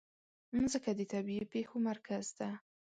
مځکه د طبیعي پېښو مرکز ده.